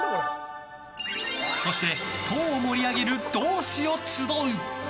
そして党を盛り上げる同志を集う！